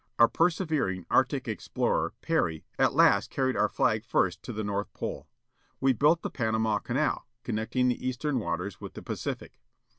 Our persevering Arctic explorer Peary at last carried our flag first to the North Pole. We built the Panama Canal, connecting the eastern waters with the Pacific.